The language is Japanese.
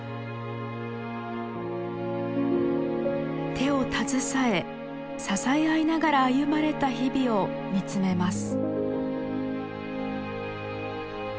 手を携え支え合いながら歩まれた日々を見つめます。